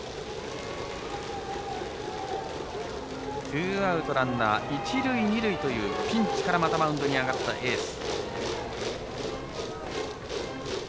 ツーアウトランナー、一塁二塁というピンチからまたマウンドに上がったエース。